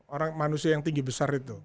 orang manusia yang tinggi besar itu